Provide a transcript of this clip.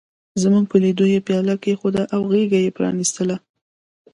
زموږ په لیدو یې پياله کېښوده او غېږه یې پرانستله.